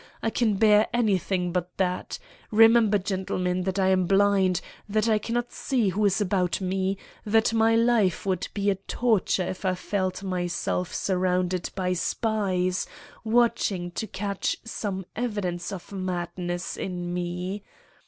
I can bear anything but that. Remember, gentlemen, that I am blind; that I cannot see who is about me; that my life would be a torture if I felt myself surrounded by spies watching to catch some evidence of madness in me.